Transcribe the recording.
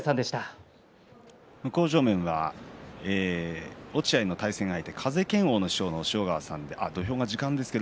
向正面は対戦相手風賢央の師匠の押尾川さんです。